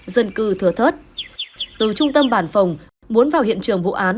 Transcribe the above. dân cư thừa thớt từ trung tâm bản phòng muốn vào hiện trường vụ án